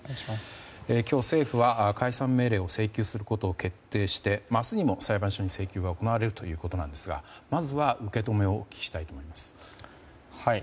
今日、政府は解散命令を請求することを決定して、明日にも裁判所に請求が行われるということですがまずは受け止めをお聞きしたいと思います。